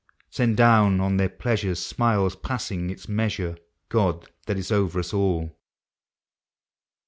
Send down on their pleasure smiles passing its measure, God that is over us all